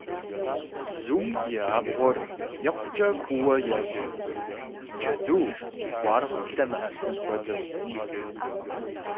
Бзум и абгъуэр икъукӏэ куууэ ещӏ, джэду, къуаргъ лъэмыӏэсын хуэдэу.